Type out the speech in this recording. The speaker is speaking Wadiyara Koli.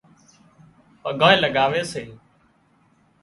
پڳانئي لڳاوي سي